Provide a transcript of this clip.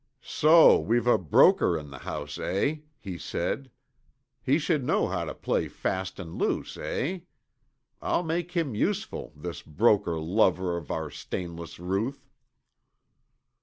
"'So we've a broker in the house, eh?' he said. 'He should know how to play fast and loose, eh? I'll make him useful, this broker lover of our stainless Ruth!'"